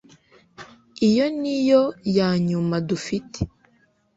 Iyi niyo yanyuma dufite